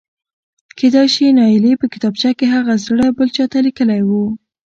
کېدای شي نايلې په کتابچه کې هغه زړه بل چاته لیکلی و.؟؟